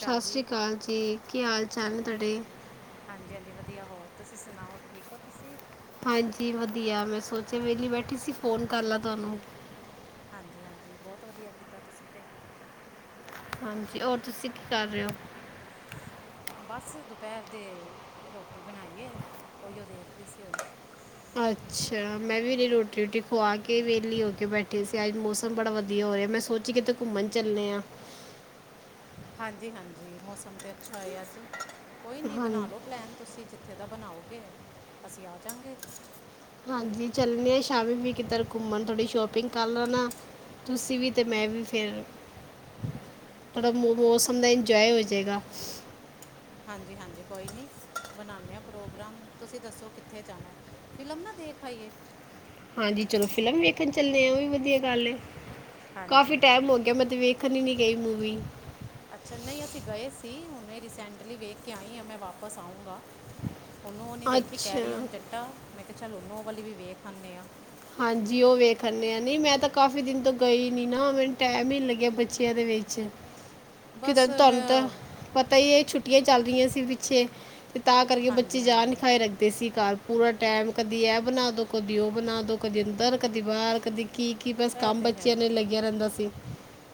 ਸਤਿ ਸ਼੍ਰੀ ਅਕਾਲ ਜੀ, ਕੀ ਹਾਲ-ਚਾਲ ਨੇ ਤੁਹਾਡੇ? ਹਾਂਜੀ-ਹਾਂਜੀ ਵਧੀਆ ਹੋਰ ਤੁਸੀਂ ਸੁਣਾਓ ਠੀਕ ਹੋ ਤੁਸੀਂ? ਹਾਂਜੀ ਵਧੀਆ, ਮੈਂ ਸੋਚਿਆ ਵਿਹਲੀ ਬੈਠੀ ਸੀ ਫੋਨ ਕਰ ਲਾਂ ਤੁਹਾਨੂੰ। ਹਾਂਜੀ-ਹਾਂਜੀ ਬਹੁਤ ਵਧੀਆ ਕੀਤਾ ਤੁਸੀਂ ਤੇ। ਹਾਂਜੀ, ਹੋਰ ਤੁਸੀਂ ਕੀ ਕਰ ਰਹੇ ਹੋ? ਬਸ ਦੁਪਹਿਰ ਦੇ ਰੋਟੀ ਬਣਾਈਏ ਉਹੀਓ ਦੇਖ ਰੀ ਸੀ ਹੁਨ। ਅੱਛਾ ਮੈਂ ਵੀ ਅਜੇ ਰੋਟੀ-ਰੂਟੀ ਖਵਾ ਕੇ, ਵਿਹਲੀ ਹੋ ਕੇ ਬੈਠੇ ਸੀ ਅੱਜ ਮੌਸਮ ਬੜਾ ਵਧੀਆ ਹੋ ਰਿਹਾ। ਮੈਂ ਸੋਚ ਸੀ ਕਿਤੇ ਘੁੰਮਣ ਚੱਲਦੇ ਹਾਂ। ਹਾਂਜੀ-ਹਾਂਜੀ ਮੌਸਮ ਤਾਂ ਅੱਛਾ ਹੈ ਅੱਜ। ਕੋਈ ਨਹੀਂ ਹਾਂ ਬਣਾ ਲਉ ਪਲੈਨ ਤੁਸੀਂ ਜਿੱਥ ਜਿੱਥੇ ਤਾਂ ਬਣਾਓਗੇ, ਅਸੀਂ ਆ ਜਾਗੇਂ। ਹਾਂਜੀ ਚੱਲਣੇ ਆ ਸ਼ਾਮੀ ਵੀ ਕਿਧਰ ਘੁੰਮਣ, ਥੋੜੀ ਸ਼ੋਪਿੰਗ ਕਰ ਲੋਣਾ। ਤੁਸੀਂ ਵੀ ਤੇ ਮੈਂ ਵੀ ਫੇਰ। ਥੋੜਾ ਮੋ ਮੌਸਮ ਦਾ ਇੰਜੋਏ ਹੋ ਜਏਗਾ। ਹਾਂਜੀ-ਹਾਂਜੀ ਕੋਈ ਨਹੀਂ, ਬਣਾਉਂਦੇ ਹਾਂ ਪ੍ਰੋਗਰਾਮ, ਤੁਸੀਂ ਦੱਸੋ ਕਿੱਥੇ ਜਾਣਾ ਐ। ਫਿਲਮ ਨਾ ਦੇਖ ਆਇਏ। ਹਾਂਜੀ ਚਲੋ ਫ਼ਿਲਮ ਵੇਖਣ ਚੱਲਦੇ ਆ, ਉਹ ਵੀ ਵਧੀਆ ਗੱਲ ਹੈ। ਹਾਂਜੀ ਕਾਫ਼ੀ ਹਾਂਜੀ ਟਾਈਮ ਹੋ ਗਿਆ ਮੈਂ ਤੇ ਵੇਖ ਵੇਖਨ ਹੀ ਨੀ ਗਈ ਮੂਵੀ। ਅੱਛਾ ਨਹੀਂ ਅਸੀਂ ਗਏ ਸੀ, ਹੁਣੇ ਰੀਸੈਂਟਲੀ ਵੇਖ ਕੇ ਆਈ ਹਾਂ, ਮੈਂ ਵਾਪਸ ਆਊਂਗਾ। ਹੁਨ ਉਹ ਨੀ ਦੇਖੀ ਕੈਰੀ ਅੱਛਾ ਔਨ ਜੱਟਾ, ਮੈਂ ਕਿਹਾ ਚੱਲ ਹੁਨ ਉਹ ਵਾਲੀ ਵੀ ਵੇਖ ਆਂਨੇ ਆ। ਹਾਂਜੀ ਉਹ ਵੇਖ ਆਨੇ ਹਾਂ। ਨਹੀਂ ਮੈਂ ਤਾਂ ਕਾਫੀ ਦਿਨ ਤੋਂ ਗਈ ਨਹੀਂ ਨਾ, ਮੈਨੂੰ ਟਾਈਮ ਹੀ ਲੱਗਿਆ ਬੱਚਿਆਂ ਦੇ ਵਿੱਚ। ਕਿਤੇ ਬਸ ਤੁਹਾਨੂੰ ਮੈਂ ਤਾਂ ਪਤਾ ਹੀ ਇਹ ਛੁੱਟੀਆਂ ਚੱਲ ਰਹੀਆਂ ਸੀ ਪਿੱਛੇ। ਤੇ ਤਾਂ ਕਰਕੇ ਹਾਂਜੀ ਬੱਚੇ ਹਾਂਜੀ ਜਾਨ ਖਾਏ ਰੱਖ ਤੇ ਸੀ ਘਰ ਪੂਰਾ ਟਾਈਮ ਕਦੀ ਐ ਬਣਾਦੋ- ਕਦੀ ਉਹ ਬਣਾਦੋ, ਕਦੀ ਅੰਦਰ- ਕਦੀ ਬਾਹਰ, ਕਦੀ ਕੀ-ਕੀ ਬਸ ਇਹ ਕੰਮ ਤੇ ਹੈ ਬੱਚਿਆਂ ਨਾਲ ਲੱਗਿਆ ਰਹਿੰਦਾ ਸੀ।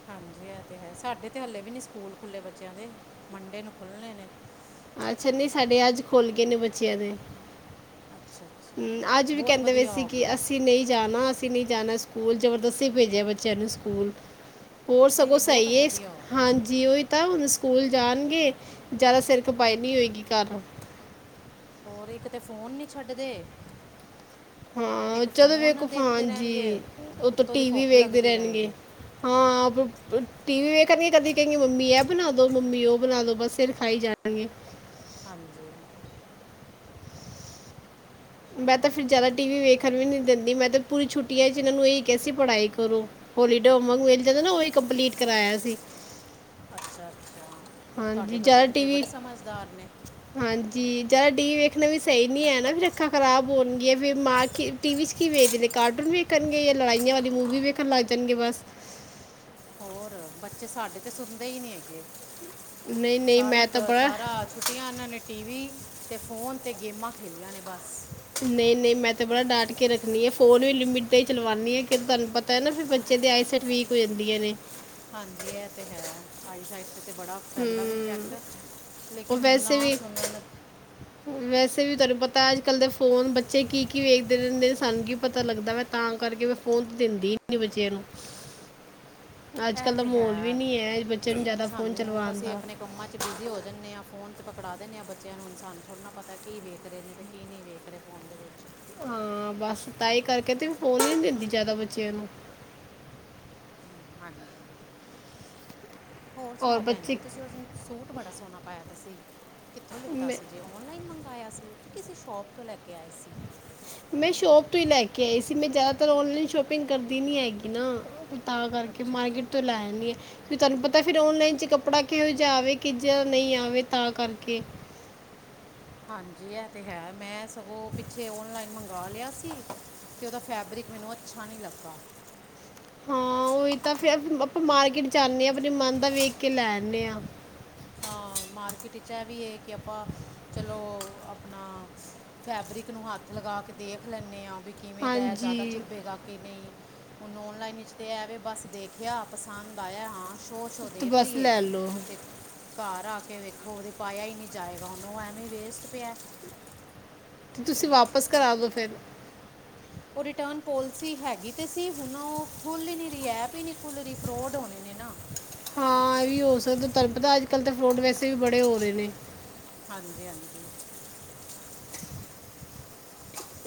ਹਾਂਜੀ ਇਹ ਤੇ ਹੈ, ਸਾਡੇ ਤੇ ਹਲੇ ਵੀ ਨੀ ਸਕੂਲ ਖੁੱਲੇ ਬੱਚਿਆਂ ਦੇ ਮੰਡੇ ਨੂੰ ਖੁੱਲਣੇ ਨੇ। ਅੱਛਾ ਨਹੀਂ ਸਾਡੇ ਅੱਜ ਖੁੱਲ ਗਏ ਨੇ ਬੱਚਿਆਂ ਦੇ ਅੱਛਾ- ਅੱਛਾ ਤਾਂ ਅੱਜ ਵੀ ਕਹਿੰਦੇ ਵਈ ਸੀ ਕਿ ਅਸੀਂ ਨਹੀਂ ਜਾਣਾ ਅਸੀ ਨਹੀਂ ਜਾਣਾ ਸਕੂਲ ਜਬਰਦਸਤੀ ਭੇਜਿਆ ਬੱਚਿਆਂ ਨੂੰ ਸਕੂਲ ਹੋਰ ਨਹੀਂ ਸਗੋਂ ਨਹੀਂ ਬਹੁਤ ਸਹੀ ਏ, ਵਧੀਆ ਹੋ ਗਿਆ ਹਾਂਜੀ। ਜੀ ਓਹੀ ਤਾਂ ਹੁਣ ਸਕੂਲ ਜਾਣਗੇ ਜ਼ਿਆਦਾ ਸਿਰ ਖਪਾਈ ਨਹੀਂ ਹੋਏਗੀ, ਘਰ ਹੋਰ ਇੱਕ ਤੇ ਫੋਨ ਨਹੀਂ ਛੱਡਦੇ ਹਾਂ ਇੱਕ ਚਲੋ ਫੋਨ ਵੇਖੋ ਦੇਖਦੇ ਹਾਂਜੀ ਰਹਿਣਗੇ ਉਤੋੰ ਉੱਤੋਂ ਦੀ ਟੀ ਵੀ ਭੁੱਖ ਵੇਖਦੇ ਲੱਗਦੀ ਰਹਿਣਗੇ। ਰਹੇਗੀ ਹਾਂ ਟੀ ਵੀ ਵੇਖਣਗੇ ਕਦੀ ਕਹਿਣਗੇ ਮੰਮੀ ਇਹ ਬਣਾ ਦੋ, ਮੰਮੀ ਉਹ ਬਣਾ ਦੋ ਬਸ ਸਿਰ ਖਾਈ ਜਾਣਾਂਗੇ। ਹਾਂਜੀ। ਮੈਂ ਤਾਂ ਫਿਰ ਜ਼ਿਆਦਾ ਟੀ ਵੀ ਵੇਖਣ ਵੀ ਨੀ ਦਿੰਦੀ, ਮੈਂ ਤਾਂ ਪੂਰੀ ਛੁੱਟੀਆਂ 'ਚ ਇਹਨਾਂ ਨੂੰ ਏਹੀ ਕਿਹਾ ਸੀ, ਪੜ੍ਹਾਈ ਕਰੋ। ਹੋਲੀਡੇ ਹੋਮ ਵਰਕ ਮਿਲ ਜਾਂਦਾ, ਓਹੀ ਕੰਪਲੀਟ ਕਰਾਇਆ ਸੀ। ਅੱਛਾ-ਅੱਛਾ, ਤਾਡੇ ਹਾਂਜੀ ਬੱਚੇ ਜ਼ਿਆਦਾ ਤਾਂ ਫਿਰ ਬੜੇ ਟੀਵੀ ਸਮਝਦਾਰ ਨੇ। ਹਾਂਜੀ ਜਾਦਾ ਟੀ -ਵੀ ਵੇਖਣਾ ਵੀ ਸਈ ਨੀ ਹੈ ਨਾ, ਫਿਰ ਅੱਖਾਂ ਖ਼ਰਾਬ ਹੋਣਗੀਆਂ ਫਿਰ ਮਾਂ ਕੀ ਟੀ- ਵੀ 'ਚ ਕੀ ਵੇਖਦੇ ਕਾਰਟੂਨ ਵੇਖਣਗੇ ਜਾਂ ਲੜਾਈਆਂ ਵਾਲੀ ਮੂਵੀ ਵੇਖਣ ਲੱਗ ਜਾਣਗੇ ਬਸ ਅ ਬੱਚੇ ਸਾਡੇ ਤੇ ਸੁਣਦੇ ਈ ਨੀ ਹੈਗੇ, ਸਾਰੀ ਪ ਸਾਰਾ ਛੁੱਟੀਆਂ ਏਹਨਾਂ ਨੇ ਟੀ -ਵੀ ਤੇ ਫ਼ੋਨ ਤੇ ਗੇਮਾਂ ਖੇਲੀਆਂ ਨੇ ਬਸ ਨਈ-ਨਈ ਮੈਂ ਤੇ ਬੜਾ ਡਾਂਟ ਕੇ ਰੱਖਣੀ ਆ, ਫੋਨ ਵੀ ਲਿਮਿਟ ਤੇ ਈ ਚਲਵਾਂਣੀ ਆ ਕਿ ਤੁਹਾਨੂੰ ਪਤਾ ਤਾਂ ਨਾ ਫਿਰ ਬੱਚੇ ਦੇ ਆਈ ਸਾਇਡ ਵੀਕ ਹੋ ਜਾਂਦੀਆਂ ਨੇ। ਹਾਂਜੀ ਏ, ਤੇ ਹੈ ਆਈਸ ਸਾਇਡ ਤੇ ਬੜਾ ਹਮ, ਪੈਂਦਾ ਵੀ ਇਫੈਕਟ ਉਹ ਲੇਕਿਨ ਵੈਸੇ ਨਾ ਵੀ ਸੁਣਨ ਵੈਸੇ ਵੀ ਤੁਹਾਨੂੰ ਪਤਾ ਅੱਜ -ਕੱਲ ਦੇ ਫੋਨ ਬੱਚੇ ਕੀ-ਕੀ ਵੇਖਦੇ ਰਹਿੰਦੇ ਨੇ, ਸਾਨੂੰ ਕੀ ਪਤਾ ਲੱਗਦਾ ਵ ਤਾਂ ਕਰਕੇ ਮੈਂ ਫੋਨ ਤੇ ਦਿੰਦੀ ਹੀ ਨੀ ਬੱਚਿਆਂ ਨੂੰ ਅੱਜ ਏ ਕੱਲ ਦਾ ਤੇ ਮਾਹੌਲ ਵੀ ਹੈ, ਨਹੀਂ ਹੈ ਬੱਚੇ ਨੂੰ ਜ਼ਿਆਦਾ ਫੋਨ ਸਾਨੂੰ ਚਲਵਾਉਣ ਅਸੀਂ ਦਾ ਆਪਣੇ ਕੰਮਾਂ 'ਚ ਬਿਜ਼ੀ ਹੋ ਜਾਂਦੇ ਆ, ਫੋਨ 'ਚ ਪਕੜਾ ਦਿੰਦੇ ਆ ਬੱਚਿਆਂ ਨੂੰ, ਸਾਨੂ ਥੋੜ੍ਹੇ ਨਾ ਪਤਾ ਕੀ ਵੇਖ ਰਹੇ ਨੇ, ਅਤੇ ਕੀ ਨਹੀਂ ਵੇਖ ਰਹੇ। ਫੋਨ ਦੇ ਵਿੱਚ ਹਾਂ ਬਸ ਤਾਂਹੀ ਕਰਕੇ ਤੇ ਫੋਨ ਹੀ ਨਹੀਂ ਦਿੰਦੀ ਜ਼ਿਆਦਾ ਬੱਚਿਆਂ ਨੂੰ ਹਾਂਜੀ। ਹੋਰ ਔਰ ਸੁਣਾਓ ਭੈਣ ਬੱਚੇ ਜੀ, ਤੁਸੀਂ ਉਸ ਦਿਨ ਸੂਟ ਬੜਾ ਸੋਹਣਾ ਪਾਇਆ ਸੀ, ਕਿੱਥੋਂ ਲਿੱਤਾ ਮੈਂ ਸੀ ਜੇ ਉਹ ਔਨਲਾਈਨ ਮੰਗਵਾਇਆ ਸੀ, ਕੀ ਕਿਸੇ ਸ਼ੋਪ ਤੋਂ ਲੈ ਕੇ ਆਏ ਸੀ। ਮੈਂ ਸ਼ੋਪ ਤੋਂ ਈ, ਲੈ -ਕੇ ਆਈ ਸੀ, ਮੈਂ ਜ਼ਿਆਦਾਤਰ ਓਨਲਾਈਨ ਸ਼ੋਪਿੰਗ ਕਰਦੀ ਨੀ ਹੈਗੀ ਨਾ। ਤਾਂ ਕਰਕੇ ਅੱਛਾ ਅੱਛਾ ਮਾਰਕੀਟ ਤੋਂ ਲੈ ਆਣੀ ਆਂ। ਤੁਹਾਨੂੰ ਪਤਾ ਫਿਰ ਓਨਲਾਈਨ 'ਚ ਕੱਪੜਾ ਕਿਹੋ ਜਿਹਾ ਆਵੇ ਕਿ ਜਾਂ ਨਹੀਂ ਆਵੇ ਤਾਂ ਕਰਕੇ। ਹਾਂਜੀ ਏ ਤਾਂ ਹੈ, ਮੈਂ ਸਗੋਂ ਪਿੱਛੇ ਔਨਲਾਈਨ ਮੰਗਾ ਲਿਆ ਸੀ। ਤੇ ਉਹਦਾ ਫੈਬਰਿਕ ਮੈਨੂੰ ਅੱਛਾ ਨਈ ਲੱਗਾ। ਹਾਂ ਉਹੀ ਤਾਂ ਫਿਰ ਆਪਾਂ ਮਾਰਕੀਟ ਜਾਂਦੇ ਆ, ਆਪਣੇ ਮਨ ਦਾ ਵੇਖ ਕੇ ਲੈ ਆਣੇ ਆਂ। ਹਾਂ ਮਾਰਕੀਟ ਵਿੱਚ ਏਹ ਵੀ ਏ ਕਿ ਆਪਾਂ ਚਲੋ ਆਪਣਾ ਫੈਬਰਿਕ ਨੂੰ ਹੱਥ ਲਗਾ ਕੇ ਦੇਖ ਲੈਂਨੇ ਆ ਵੀ ਕਿਵੇਂ ਦਾ ਜਾਦਾ ਹਾਂਜੀ ਚੁੱਭੇਗਾ ਕਿ ਨਈ। ਹੁਣ ਔਨਲਾਈਨ ਵਿੱਚ ਤਾਂ ਐ-ਵੇ ਬਸ ਦੇਖਿਆ ਪਸੰਦ ਆਇਆ, ਹਾਂ ਸ਼ੋਅ-ਸ਼ੋਅ ਤੇ ਦੇਖ ਲਈ ਬਸ ਏ। ਲੈ ਲਓ ਘਰ ਆ ਕੇ ਵੇਖੋ ਓਹ ਤੇ ਪਾਇਆ ਈ ਨਈ ਜਾਏਗਾ, ਹੁਨ ਐਵੇ ਹੀ ਵੇਸਟ ਪੇਆ। ਤੇ ਤੁਸੀਂ ਵਾਪਸ ਕਰਾ ਦੋ ਫੇਰ ਓਹ ਰਿਟਰਨ ਪੋਲਿਸੀ ਹੈਗੀ ਤੇ ਸੀ, ਹੁਣ ਓਹ ਖੁੱਲ ਈ ਨਹੀਂ ਰਹੀ, ਐਪ ਹੀ ਨਹੀਂ ਖੁੱਲ ਰਹੀ ਫਰੋਡ ਹੋਣੇ ਨੇ ਨਾ। ਹਾਂ ਏ ਵੀ ਹੋ ਸਕਦਾ, ਤੁਹਾਨੂੰ ਪਤਾ ਅੱਜ -ਕੱਲ੍ਹ ਤਾਂ ਫਰੋਡ ਵੈਸੇ ਵੀ ਬੜੇ ਹੋ ਰਹੇ ਨੇ। ਹਾਂਜੀ-ਹਾਂਜੀ।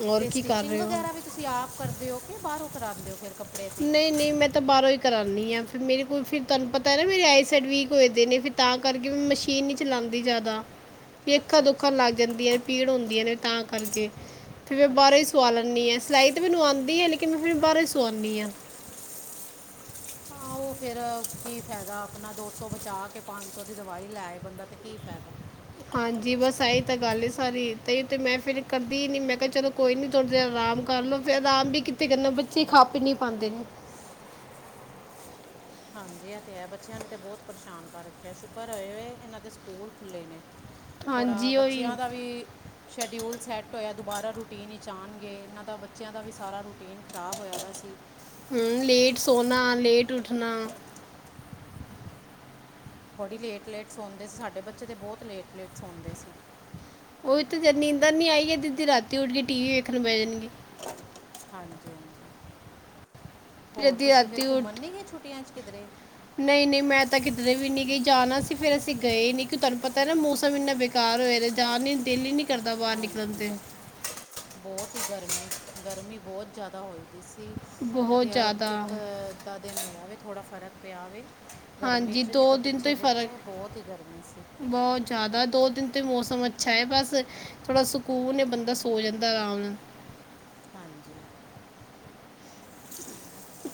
ਔਰ ਤੇ ਕੀ ਕਰ ਸਟਿਚਿੰਗ ਰਹੇ ਹੋ ਵਗੈਰਾ ਵੀ ਤੁਸੀਂ ਆਪ ਕਰਦੇ ਹੋ ਕੇ ਬਾਹਰੋਂ ਕਰਾਦੇ ਹੋ ਫਿਰ ਕਪੜ ਨਈ-ਨਈ ਮੈਂ ਤਾ ਬਾਰੋਂ ਈ ਕਰਾਨੀ ਆ, ਫਿਰ ਮੇਰੇ ਕੋਲ ਫਿਰ ਤੁਹਨੂੰ ਪਤਾ ਨਾ ਮੇਰੀ ਆਈ ਸੇਡ ਵੀਕ ਹੋਏ ਦਏ ਨੇ ਫਿ ਤਾਂ ਕਰਕੇ ਵੀ ਮਸ਼ੀਨ ਨੀ ਚਲਾਂਦੀ ਜਾਦਾ। ਫੇਰ ਅੱਖਾਂ ਅੱਛਾ ਦੁੱਖਣ ਅੱਛਾ ਲਗ ਠੀਕ ਜਾਂਦਿਆਂ ਨੇ ਪੀੜ ਹੁੰਦੀਆਂ ਨੇ ਤਾਂ ਕਰਕੇ। ਤੇ ਫੇਰ ਬਾਰੋਂ ਈ ਅੱਛਾ ਜੀ ਸਵਾ ਲੈਂਣੀ ਆ,। ਸਲਾਈ ਤਾ ਮੈਨੂੰ ਆਂਦੀ ਐ, ਲੇਕਿਨ ਮੈਂ ਫੇਰ ਬਾਰੋਂ ਈ ਸਵਾਨੀ ਆ। ਹਾਂ ਓ ਫੇਰ ਕੀ ਫੈਦਾ ਆਪਣਾ ਦੋ ਸੌ ਬਚਾ ਕੇ- ਪੰਜ ਸੌ ਦੀ ਦਵਾਈ ਲੈਏ ਬੰਦਾ ਤੇ ਕੀ ਫੈਦਾ। ਹਾਂਜੀ ਬਸ ਐਈ ਤਾ ਗੱਲ ਏ ਸਾਰੀ, ਤੇ ਈ ਤੇ ਮੈਂ ਫੇਰ ਕਰਦੀ ਨੀ ਮੈਂ ਕਿਆ ਚਲੋ ਕੋਈ ਨੀ ਥੋੜੀ ਦੇਰ ਆਰਾਮ ਕਰ ਲੋ, ਫੇਰ ਆਰਾਮ ਵੀ ਕਿਥੇ ਕਰਨਾ ਬੱਚੇ ਖੱਪ ਈ ਇਨੀ ਪਾਂਦੇ ਨੇ। ਹਾਂਜੀ ਐ ਤੇ ਹੈ, ਬੱਚਿਆਂ ਨੇ ਤੇ ਬੋਤ ਪਰਸ਼ਾਨ ਕਰ ਰੱਖਿਆ, ਸ਼ੁਕਰ ਹੋਏ ਓਏ ਏਨਾਂ ਦੇ ਸਕੂਲ ਖੁੱਲ੍ਹੇ ਨੇ। ਹ [inaudible] ਥੋੜਾ ਬੱਚਿਆਂ ਦਾ ਵੀ ਸ਼ਡਿਊਲ ਸੈੱਟ ਹੋਏਆ ਦੁਬਾਰਾ ਰੂਟੀਨ ਵਿਚ ਆਨਗੇ ਏਨਾ ਦਾ ਬੱਚੇਆਂ ਦਾ ਵੀ ਸਾਰਾ ਰੂਟੀਨ ਖ਼ਰਾਬ ਹੋਏਆ ਦਾ ਸੀ। ਹੂੰ ਲੇਟ ਸੋਨਾ ਲੇਟ ਉੱਠਨਾ। ਬੜੀ ਲੇਟ-ਲੇਟ ਸੋਂਦੇ ਸੀ ਸਾਡੇ ਬੱਚੇ ਤੇ ਬੋਤ ਲੇਟ-ਲੇਟ ਸੋਂਦੇ ਸੀ। ਓਈ ਤੇ ਜਦ ਨੀਂਦਰ ਨੀ ਆਈ ਅੱਦੀ-ਅੱਦੀ ਰਾਤੀ ਉੱਠ ਕੇ ਟੀ ਵੀ ਵੇਖਨ ਬੈ ਜਾਨਗੇ। ਹਾਂਜੀ-ਹਾਂਜੀ, ਫਿਰ ਹੋਰ ਅੱਧੀ ਤੁਸੀਂ ਫੇਰ ਰਾਤੀ ਘੁੰਮਨ ਨੀ ਗਏ ਛੁੱਟੀਆਂ ਚ ਕਿਧਰੇ। ਨਈ-ਨਈ ਮੈਂ ਤਾਂ ਕਿਦਰੇ ਵੀ ਨੀ ਗਈ ਜਾਨਾ ਸੀ ਫੇਰ ਅਸੀ ਗਏ ਨੀ ਇਕ ਤੁਆਨੂੰ ਪਤਾ ਨਾ ਮੌਸਮ ਏਨਾ ਬੇਕ ਕਾਰ ਹੋਏਆ ਦਾ ਜਾਨ ਨੀ ਦਿਲ ਈ ਨੀ ਕਰਦਾ ਬਾਰ ਨਿਕਲਨ ਤੇ। ਬੋਤ ਈ ਗਰਮੀ-ਗਰਮੀ ਬੋਤ ਜਾਦਾ ਹੋਈ ਦੀ ਸੀ। ਤੀ ਬਹੁਤ ਅਤੇ ਆਪ ਜ਼ਿਆਦਾ ਏਕ ਅੱਦਾ ਦਿਨ ਹੋਏਆ ਵੇ ਥੋੜਾ ਫ਼ਰਕ ਪਿਆ ਵੇ। ਗਰਮੀ ਹਾਂਜੀ ਚ ਨਈ ਤੋ ਪਿੱਛੇ ਜੇ ਤੇ ਬੋਤ ਈ ਗਰਮੀ ਸੀ। ਬਹੁ ਜਾਦਾ ਦੋ ਦਿਨ ਤੇ ਮੌਸਮ ਅੱਛਾ ਏ ਬਸ ਥੋੜਾ ਸਕੂਨ ਏ ਬੰਦਾ ਸੋ ਜਾਂਦਾ ਆਰਾਮ ਨਾਲ। ਹਾਂਜੀ।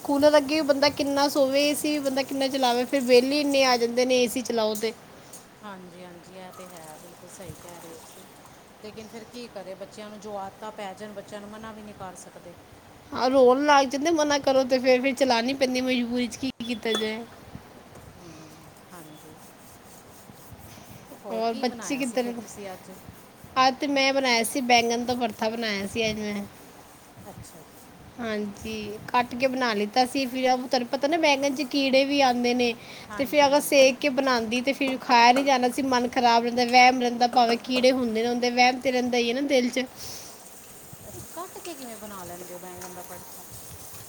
ਕੂਲਰ ਅੱਗੇ ਵੀ ਬੰਦਾ ਕਿੰਨਾ ਸੋਵੇ ਏ ਸੀ ਵੀ ਬੰਦਾ ਕਿੰਨਾ ਚਲਾਵੇ ਫੇਰ ਬਿਲ ਈ ਏਨੇ ਆ ਜਾਂਦੇ ਨੇ ਏ ਸੀ ਚਲਾਓ ਤੇ। ਹਾਂਜੀ-ਹਾਂਜੀ ਐ ਤੇ ਹੈ ਬਿਲਕੁਲ ਸਈ ਕੈ ਰੇ ਓਂ ਤੁਸੀ। ਲੇਕਿਨ ਫੇਰ ਕੀ ਕਰੇ ਬੱਚਿਆਂ ਨੂੰ ਜੋ ਆਦਤਾਂ ਪੈ ਜਾਨ ਬੱਚਿਆਂ ਨੂੰ ਮਨਾ ਵੀ ਨਈ ਕਰ ਸਕਦੇ। ਆ ਰੋਨ ਲਗ ਜਾਂਦੇ ਆ ਮਨਾ ਕਰੋ ਤੇ ਫੇਰ-ਫੇਰ ਚਲਾਨੀ ਪੈਂਦੀ ਐ ਮਜਬੂਰੀ ਚ ਕੀ ਕੀਤਾ ਜਏ। ਹੂੰ, ਹਾਂਜੀ। ਹੋਰ ਔਰ ਕੀ ਬੱਚੇ ਬਨਾਏਆ ਸੀ ਕਿੱਧਰ ਫੇਰ ਤੁਸੀ ਅੱਜ। ਅੱਜ ਤੇ ਮੈਂ ਬਨਾਏਆ ਸੀ ਬੈਂਗਣ ਦਾ ਭਰਥਾ ਬਨਾਏਆ ਸੀ ਅੱਜ ਮੈਂ। ਅੱਛਾ-ਅੱਛਾ। ਹਾਂਜੀ ਕੱਟ ਕੇ ਬਨਾ ਲੀਤਾ ਸੀ ਫਿਰ ਓ ਤਾਨੂੰ ਪਤਾ ਨਾ ਬੈਂਗਨ ਚ ਕੀੜੇ ਵੀ ਆਂਦੇ ਨੇ। ਤੇ ਫੇਰ ਹਾਂਜੀ ਅਗਾ ਹਾਂਜੀ ਸੇਕ ਕੇ ਬਨਾਂਦੀ ਤੇ ਫੇਰ ਖਾਏਆ ਨੀ ਜਾਨਾ ਸੀ ਮਨ ਖਰਾਬ ਰੈਂਦਾ ਵੈਮ ਰੈਂਦਾ ਭਾਵੇਂ ਕੀੜੇ ਹੁੰਦੇ ਨਾ ਹੁੰਦੇ ਵੈਮ ਤੇ ਰੈਂਦਾ ਈ ਏ ਨਾ ਦਿਲ ਚ। ਅੱਛਾ ਕੱਟ ਕੇ ਕਿਵੇਂ ਬਨਾ ਲੈਂਦੇ ਓ ਬੈਂਗਨ ਦਾ ਪੜਥਾ।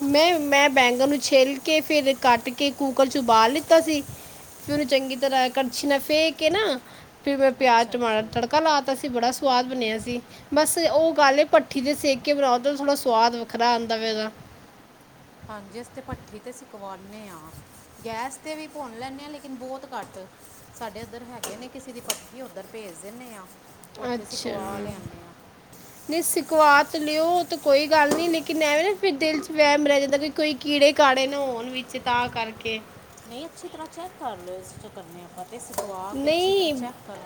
ਮੈਂ-ਮੈਂ ਬੈਂਗਨ ਨੂੰ ਛਿਲ ਕੇ ਫੇਰ ਕੱਟ ਕੇ ਕੂਕਰ ਚ ਉਬਾਲ ਲੀਤਾ ਸੀ ਫੇਰ ਓਨੂੰ ਚੰਗੀ ਤਰਾਂ ਕੜਛੀ ਨਾਲ ਫੇਅ ਕੇ ਨਾ ਫਿਰ ਮੈਂ ਪਿਆਜ਼ ਅੱਛਾ ਟਮਾਟਰ ਦਾ ਅੱਛਾ ਤੜਕਾ ਲਾਤਾ ਸੀ ਬੜਾ ਸਵਾਦ ਬਨੇਆ ਸੀ। ਬਸ ਓ ਗੱਲ ਏ ਭੱਠੀ ਤੇ ਸੇਕ ਕੇ ਬਨਾਓ ਤਾ ਥੋੜਾ ਸਵਾਦ ਵੱਖਰਾ ਆਂਦਾ ਵੇ ਓਦਾ। ਹਾਂਜੀ ਅਸੀ ਤੇ ਭੱਠੀ ਤੇ ਸਿਕਵਾਨੇ ਆਂ। ਗੈਸ ਤੇ ਵੀ ਭੁੰਨ ਲੈਂਨੇ ਆਂ ਲੇਕਿਨ ਬੋਤ ਘੱਟ। ਸਾਡੇ ਔਦਰ ਹੈਗੇ ਨੇ ਕਿਸੇ ਦੀ ਭੱਠੀ ਐ ਔਦਰ ਭੇਜ ਦਿੰਨੇ ਆ ਓਥੇ ਸ਼ਿਕਵਾ ਲਿਆਨੇ ਆਂ। ਨਈ ਸ਼ਿਕਵਾ ਤੇ ਲਿਓ ਓ ਤੇ ਕੋਈ ਗੱਲ ਨੀ ਲੇਕਿਨ ਐਵੇਂ ਨਾ ਫੇਰ ਦਿਲ ਚ ਵੈਮ ਰੈ ਜਾਂਦਾ ਕੇ ਕੋਈ ਕੀੜੇ ਕਾੜੇ ਨਾ ਹੋਨ ਵਿਚ ਤਾਂ ਕਰਕੇ। ਨਈ ਅੱਛੀ ਤਰਾ ਚੈਕ ਕਰ ਲੋ ਅਸੀ ਚੈਕ ਕਰਨੇ ਅਪਾ ਤੇ ਸਿਕਵਾ ਕੇ ਅੱਛੀ ਤਰਾ ਚੈਕ ਕਰ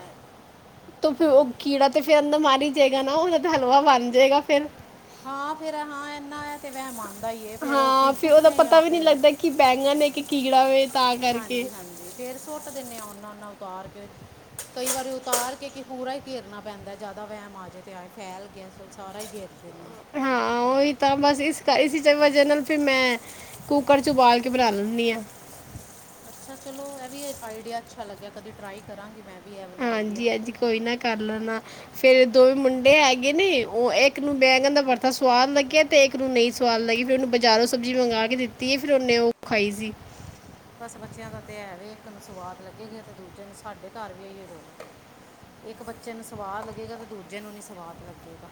ਤੇ ਫੇਰ ਓ ਕੀੜਾ ਤੇ ਫੇਰ ਅੰਦਰ ਮਰ ਈ ਜਏਗਾ ਨਾ ਓਦਾ ਤੇ ਹਲਵਾ ਬਨ ਜੇਗਾ ਫੇਰ। ਹਾਂ ਫੇਰ ਹਾਂ ਐਨਾ ਐ ਤੇ ਵੈਮ ਆਂਦਾ ਈ ਏ ਫੇਰ ਓ ਫਿਰ ਸੁੱਟਨੇ ਆ ਫੇਰ। ਕੀ ਬੈਂਗਨ ਨੇ ਕੀ ਕੀਗੜਾ ਵੇ ਤਾ ਹਾਂਜੀ-ਹਾਂਜੀ ਫੇਰ ਸੁੱਟ ਦਿੰਨੇ ਆਂ ਓਨਾ-ਓਨਾ ਉਤਾਰ ਕੇ ਕਈ ਵਾਰੀ ਉਤਾਰ ਕੇ ਕੀ ਪੂਰਾ ਈ ਘੇਰਨਾ ਪੈਂਦਾ ਜਾਦਾ ਵਹਿਮ ਆ ਜੇ ਤੇ ਆਏ ਫੈਲ ਗੇਆ। ਸਾਰਾ ਈ ਗੇਰ ਦਿੰਨੇ ਆ। ਹਾਂ ਉਹੀ ਤਾਂ ਬਸ ਇਸ ਕਰ ਇਸੀ ਵਜ੍ਹਾ ਨਾਲ ਫਿਰ ਮੈਂ ਕੁੱਕਰ 'ਚੋਂ ਉਬਾਲ ਕੇ ਬਣਾ ਲੈਂਦੀ ਹਾਂ ਅੱਛਾ ਚਲੋ ਇਹ ਵੀ ਆਈਡੀਆ ਅੱਛਾ ਲੱਗਿਆ ਕਦੇ ਟਰਾਈ ਕਰਾਂਗੀ ਮੈਂ ਵੀ ਇਹ ਵਾਲਾ ਆਈਡੀਆ ਹਾਂਜੀ ਅੱਜ ਕੋਈ ਨਾ ਕਰ ਲੈਨਾ ਫੇਰ ਦੋਵੇਂ ਮੁੰਡੇ ਹੈਗੇ ਨੇ ਓ ਇੱਕ ਨੂੰ ਬੈਂਗਣ ਦਾ ਵਰਤਾ ਸਵਾਦ ਲੱਗਿਆ ਤੇਕ ਨੂੰ ਨਹੀਂ ਸਵਾਦ ਲੱਗੀ ਫੇਰ ਉਹਨੂੰ ਬਜ਼ਾਰੋਂ ਸਬਜ਼ੀ ਮੰਗਵਾ ਕੇ ਦਿੱਤੀ ਫਿਰ ਉਹਨੇ ਉਹ ਖਾਈ ਸੀ ਬਸ ਬੱਚਿਆਂ ਦਾ ਤੇ ਹੈ ਵੀ ਇੱਕ ਨੂੰ ਸਵਾਦ ਲੱਗੇਗਾ ਤੇ ਦੂਜੇ ਨੂੰ ਸਾਡੇ ਘਰ ਵੀ ਇਹੀਓ ਰੋਣਾ ਇੱਕ ਬੱਚੇ ਨੂੰ ਸਵਾਦ ਲੱਗੇਗਾ ਤੇ ਦੂਜੇ ਨੂੰ ਨੀ ਸਵਾਦ ਲੱਗੇਗਾ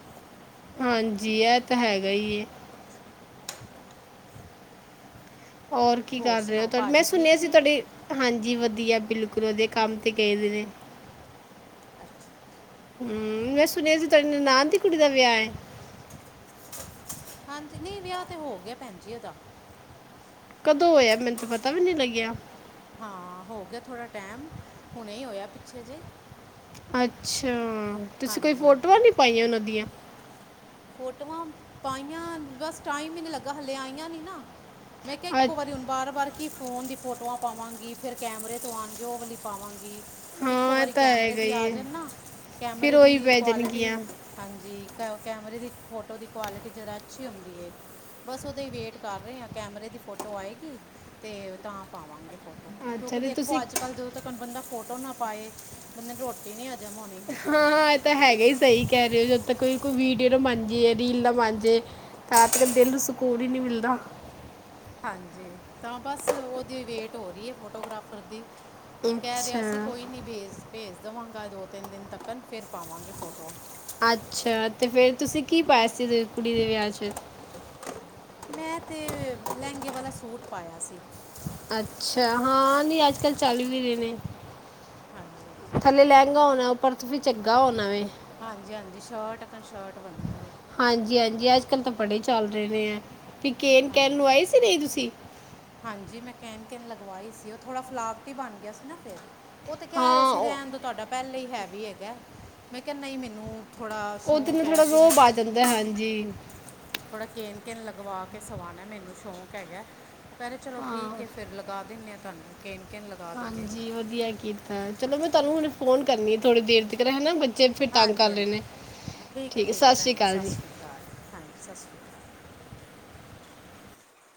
ਹਾਂਜੀ ਇਹ ਤਾਂ ਹੈਗਾ ਏ ਹੋਰ ਕੀ ਕਰ ਰਹੇ ਹੋ ਸੁਣਾਓ ਤੁਹਾ ਮੈਂ ਭਾਜੀ ਸੁਣਿਆ ਠੀਕ ਸੀ ਨੇ ਤੁਹਾਡੀ ਹਾਂਜੀ ਵਧੀਆ ਬਿਲਕੁਲ ਉਹਦੇ ਕੰਮ ਤੇ ਗਏਦੇ ਨੇ ਅੱਛਾ ਹਮ ਮੈਂ ਸੁਣਿਆ ਸੀ ਤੁਹਾਡੀ ਨਨਾਣ ਦੀ ਕੁੜੀ ਦਾ ਵਿਆਹ ਏ ਹਾਂਜੀ ਨਹੀਂ ਵਿਆਹ ਤੇ ਹੋ ਗਿਆ ਭੈਣ ਜੀ ਉਹਦਾ ਕਦੋਂ ਹੋਇਆ ਮੈਨੂੰ ਤਾਂ ਪਤਾ ਵੀ ਨੀ ਲੱਗਿਆ ਹਾਂ ਹੋ ਗਿਆ ਥੋੜ੍ਹਾ ਟਾਈਮ ਹੁਣੇ ਹੋਇਆ ਪਿੱਛੇ ਜੇ ਅੱਛਾ ਤੁਸੀਂ ਕੋਈ ਹਾਂਜੀ ਫੋਟੋਆਂ ਹਾਂਜੀ ਨੀ ਪਾਈਆਂ ਉਹਨਾਂ ਦੀਆਂ ਫੋਟੋਆਂ ਪਾਈਆਂ ਬਸ ਟਾਈਮ ਹੀ ਨਹੀਂ ਲੱਗਾ ਹਲੇੇ ਆਈਆਂ ਨੀ ਨਾ ਮੈਂ ਕਿਹਾ ਇੱਕੋ ਵਾਰੀ ਅੱਛ- ਹੁਣ ਬਾਰ ਬਾਰ ਕੀ ਫੋਨ ਦੀ ਫੋਟੋ ਫੋਟੋਆਂ ਪਾਵਾਂਗੀ ਫੇਰ ਕੈਮਰੇ ਤੋਂ ਆਉਣਗੇ ਉਹ ਵਾਲੀ ਪਾਵਾਂਗੀ ਇੱਕੋ ਹਾਂ ਇਹ ਵਾਰੀ ਤਾਂ ਕੈਮਰੇ ਹੈਗਾ ਦੀ ਹੀ ਹੈ ਆਜਣ ਨਾ ਫਿਰ ਕੈਮਰੇ ਉਹੀ ਦੀ ਪੈ ਕੁਆਲਿਟੀ ਜਾਣਗੀਆਂ ਹਾਂਜੀ ਕ ਕੈਮਰੇ ਦੀ ਫੋਟੋ ਦੀ ਕੁਆਲਿਟੀ ਜ਼ਰਾ ਅੱਛੀ ਹੁੰਦੀ ਏ ਬਸ ਉਹਦੇ ਹੀ ਵੇਟ ਕਰ ਰਹੇ ਹਾਂ ਕੈਮਰੇ ਦੀ ਫੋਟੋ ਆਏਗੀ ਤੇ ਤਾਂ ਪਾਵਾਂਗੇ ਫੋੋਨ ਕਿਉੰ ਅੱਛਾ ਕਿਉਂਕਿ ਤੇ ਦੇਖੋ ਤੁਸੀਂ ਅੱਜ ਕੱਲ ਜਦੋਂ ਤੱਕ ਬੰਦਾ ਫੋਟੋ ਨਾ ਪਾਏ ਬੰਦੇ ਦੀ ਰੋਟੀ ਨੀ ਅਜਮ ਹੋਣੀ ਹਾਂ- ਹਾਂ ਇਹ ਤਾਂ ਹੈਗਾ ਹੀ ਸਹੀ ਕਹਿ ਰਹੇ ਹੋ ਜਦੋਂ ਤੱਕ ਕੋਈ ਵੀਡੀਓ ਨਾ ਬਣ ਜਾਏ ਰੀਲ ਨਾ ਬਣ ਜੇਏ ਤਾਂ ਆਪਨੇ ਦਿਲ ਨੂੰ ਸਕੂਨ ਹੀ ਨੀ ਮਿਲਦਾ ਹਾਂਜੀ ਤਾਂ ਬਸ ਉਹਦੀ ਵੇਟ ਹੋ ਰਹੀ ਫੋਟੋਗ੍ਰਾਫਰ ਦੀ ਕਹਿ ਰਿਹਾ ਸੀ ਅੱਛਾ ਕੋਈ ਨੀ ਭੇੰਜ ਭੇਜ ਦੇਵਾਂਗਾ ਦੋ ਤਿੰਨ ਦਿਨ ਤੱਕ ਫਿਰ ਪਾਵਾਂਗੇ ਫੋਟੋਆਂ ਅੱਛਾ ਤੇ ਫਿਰ ਤੁਸੀਂ ਕੀ ਪਾਇਆ ਸੀ ਕੁੜੀ ਦੇ ਵਿਆਹ 'ਚ ਮੈਂ ਤੇ ਲਹਿੰਗੇ ਵਾਲਾ ਸੂਟ ਪਾਇਆ ਸੀ ਅੱਛਾ ਹਾਂ ਨਹੀ ਅੱਜ ਕੱਲ ਚੱਲ ਵੀ ਰੇ ਨੇ ਹਾਂਜੀ- ਹਾਂਜੀ ਥੱਲੇ ਲਹਿੰਗਾ ਹੋਣਾ ਉੱਪਰ ਫਿਰ ਚੰਗਾ ਹੋਣਾ ਵੇ ਹਾਂਜੀ ਹਾਂਜੀ ਸ਼ਰਟ ਕ ਸ਼ਰਟ ਬੰਨਦੀ ਏ ਹਾਂਜੀ ਹਾਂਜੀ ਅੱਜ ਕੱਲ੍ਹ ਤਾਂ ਬੜ੍ਹੇ ਚੱਲ ਰਹੇ ਨੇ ਐ ਵੀ ਕੇਨ ਕਹਿਣ ਨੂੰ ਹਾਂਜੀ ਆਈ ਸੀ ਨਹੀਂ ਤੁਸੀਂ ਹਾਂਜੀ ਮੈਂ ਕਹਿਣ ਕਹਿਣ ਲਗਵਾਈ ਸੀ ਉਹ ਥੋੜ੍ਹਾ ਫਲਾਵਟੀ ਬਣ ਗਿਆ ਸੀ ਨਾ ਫੇਰ ਉਹ ਤਾਂ ਕਹਿ ਰਹੇ ਹਾਂ ਸੀ ਉਹ- ਰਹਿਣ ਦੋ ਤੁਹਾਡਾ ਪਹਿਲੇ ਹੀ ਹੈਵੀ ਹੈਗਾ ਮੈਂ ਕਿਹਾ ਨਹੀਂ ਮੈਨੂੰ ਥੋੜ੍ਹਾ ਸ਼ੌਕ ਹੈ ਕਿ ਮੈਂ ਕ ਕਹਿ ਹਾਂਜੀ ਥੋੜ੍ਹਾ ਕੇਨ ਕੇਨ ਲਗਵਾ ਕੇ ਸਵਾਉਣਾ ਮੈਨੂੰ ਸ਼ੌਂਕ ਹੈਗਾ ਦਪਹਿਰੇ ਚਲੋ ਹਾਂ ਠੀਕ ਹੈ ਫਿਰ ਲਗਾ ਦਿੰਦੇ ਤੁਹਾਨੂੰ ਕਿਨ ਕਿੰਨ ਲਗਾ ਦਿੰਨੇ ਆ ਹਾਂਜੀ ਵਧੀਆ ਕੀਤਾ ਚਲੋ ਮੈਂ ਤੁਹਾਨੂੰ ਹੁਣ ਫੋਨ ਕਰਨੀ ਥੋੜੀ ਦੇਰ ਤੱਕ ਹੈ ਨਾ ਬੱਚੇ ਫਿਰ ਤੰਗ ਕਰ ਹਾਂਜੀ ਰਹੇ ਹਾਂਜੀ ਨੇ ਠੀਕ ਹੈ ਠੀਕ ਹੈ ਭੈਣ ਜੀ ਸਤਿ ਸ਼੍ਰੀ ਅਕਾਲ ਜੀ ਹਾਂਜੀ ਸਤਿ ਸ਼੍ਰੀ ਅਕਾਲ